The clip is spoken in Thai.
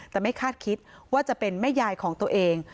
แต่ไม่คาดคิดว่าจะเป็นแม่ยายของตัวเอง